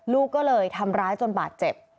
ลูกก็เลยทำร้ายจนบาดเจ็บ